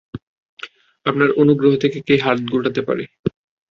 আপনার অনুগ্রহ থেকে কে হাত গুটাতে পারে?